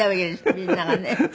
みんながね。